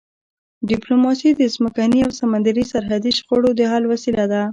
ډیپلوماسي د ځمکني او سمندري سرحدي شخړو د حل وسیله ده.